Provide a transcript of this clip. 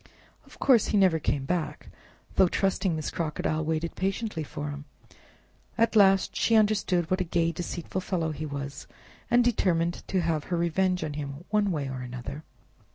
Of course he never came back, though trusting Miss Crocodile waited patiently for him; at last she understood what a gay, deceitful fellow he was, and determined to have her revenge on him one way or another.